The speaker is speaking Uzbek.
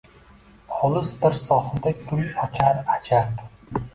Olis bir sohilda gul ochar ajab.